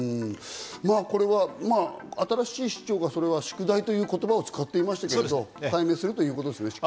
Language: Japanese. これは新しい市長が宿題という言葉を使っていましたけど解明するということですね。